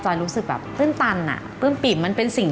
จอยรู้สึกแบบตื่นตันตื่นปิ่ม